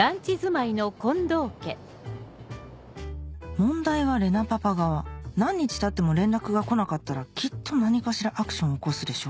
問題は玲奈パパ側何日経っても連絡が来なかったらきっと何かしらアクションを起こすでしょ？